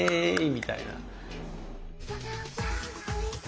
みたいな。